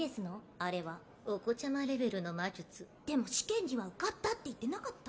あれはお子ちゃまレベルの魔術でも試験には受かったって言ってなかった？